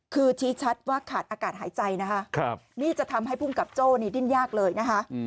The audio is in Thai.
คือชี้ชัดว่าขาดอากาศหายใจนะคะนี่จะทำให้ภูมิกับโจ้นี่ดิ้นยากเลยนะคะ